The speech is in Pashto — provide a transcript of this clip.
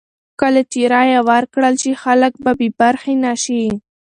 کله چې رایه ورکړل شي، خلک به بې برخې نه شي.